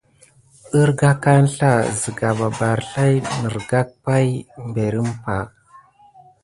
Ərga aka əŋslah siga mabartan nigra pay mberi umpay.